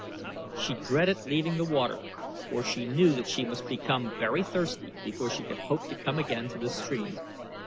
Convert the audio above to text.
She dreaded leaving the water for she knew that she must become very thirsty before she could hope to come again to the stream.